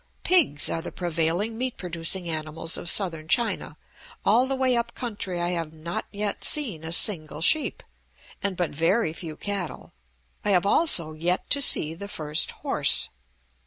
Pigs are the prevailing meat producing animals of Southern China; all the way up country I have not yet seen a single sheep, and but very few cattle; I have also yet to see the first horse.